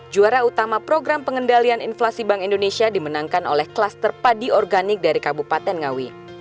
juara utama program pengendalian inflasi bank indonesia dimenangkan oleh klaster padi organik dari kabupaten ngawi